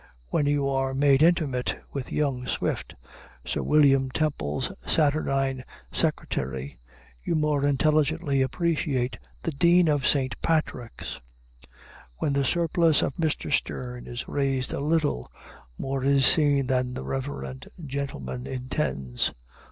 When you are made intimate with young Swift, Sir William Temple's saturnine secretary, you more intelligently appreciate the Dean of St. Patrick's. When the surplice of Mr. Sterne is raised a little, more is seen than the reverend gentleman intends.